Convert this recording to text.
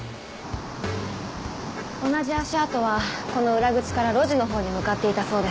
同じ足跡はこの裏口から路地のほうに向かっていたそうです。